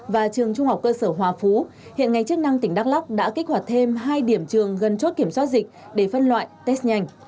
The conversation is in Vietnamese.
và trường trung học cơ sở hòa phú hiện ngành chức năng tỉnh đắk lóc đã kích hoạt thêm hai điểm trường gần chốt kiểm soát dịch để phân loại test nhanh